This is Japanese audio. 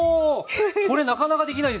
これなかなかできないですよ。